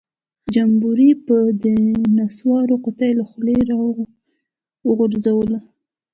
جمبوري به د نسوارو قطۍ له خولۍ راوغورځوله.